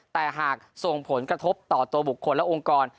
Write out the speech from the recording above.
แต่หากส่งผลกระทบต่อตัวบุคคลและองค์กร